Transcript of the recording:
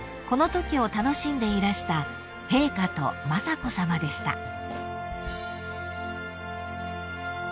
このときを楽しんでいらした陛下と雅子さまでした］